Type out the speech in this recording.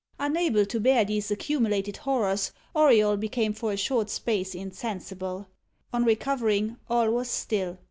Unable to bear these accumulated horrors, Auriol became, for a short space, insensible. On recovering, all was still.